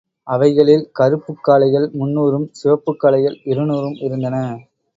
அவைகளில் கறுப்புக் காளைகள் முந்நூறும், சிவப்புக் காளைகள் இரு நூறும் இருந்தன.